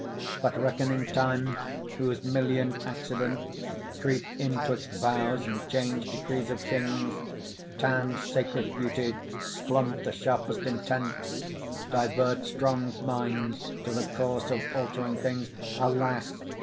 But reckoning Time, whose million'd accidents Creep in 'twixt vows, and change decrees of kings, Tan sacred beauty, blunt the sharp'st intents, Divert strong minds to the course of altering things; Alas!